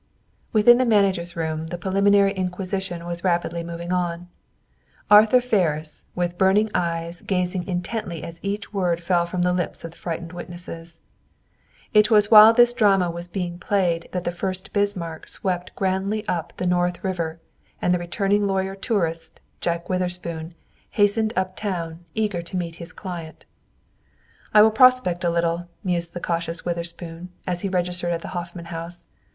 Within the manager's room, the preliminary inquisition was rapidly moving on. Arthur Ferris, with burning eyes gazing intently as each word fell from the lips of the frightened witnesses. It was while this drama was being played that the "Fuerst Bismarck" swept grandly up the North River, and the returning lawyer tourist, Jack Witherspoon, hastened up town, eager to meet his client. "I will prospect a little," mused the cautious Witherspoon, as he registered at the Hoffman House.